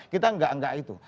kita enggak enggak itu